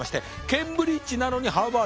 ケンブリッジなのにハーバード。